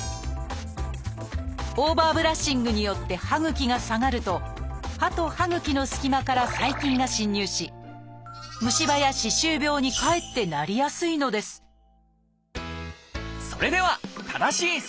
オーバーブラッシングによって歯ぐきが下がると歯と歯ぐきのすき間から細菌が侵入し虫歯や歯周病にかえってなりやすいのですそれでは正しいセルフケア。